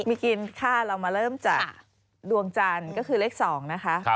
มีกินค่ะเรามาเริ่มจากดวงจันทร์ก็คือเลข๒นะคะ